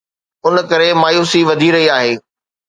ان ڪري مايوسي وڌي رهي آهي.